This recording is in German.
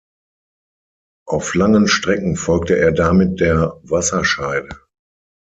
Auf langen Strecken folgte er damit der Wasserscheide.